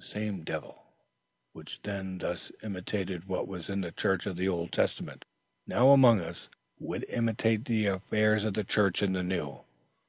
"The same Devil, which then thus imitated what was in the church of the Old Testament, now among us, would imitate the affairs of the church in the New.